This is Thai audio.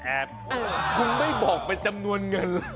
แอบคุณไม่บอกเป็นจำนวนเงิน